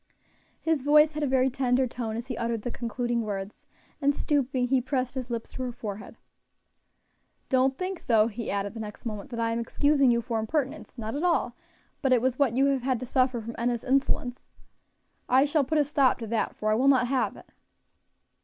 His voice had a very tender tone as he uttered the concluding words, and stooping, he pressed his lips to her forehead. "Don't think, though," he added the next moment, "that I am excusing you for impertinence, not at all; but it was what you have had to suffer from Enna's insolence. I shall put a stop to that, for I will not have it."